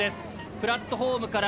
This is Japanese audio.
プラットホームから